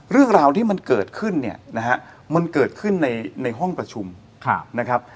เรื่องราวที่มันเกิดขึ้นเนี่ยนะฮะมันเกิดขึ้นในห้องประชุมนะครับ